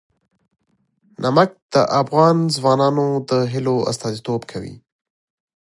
نمک د افغان ځوانانو د هیلو استازیتوب کوي.